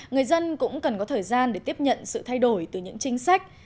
người dân cũng cần có thời gian để tiếp nhận sự thay đổi từ những chính sách